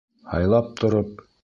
Һайлап тороп.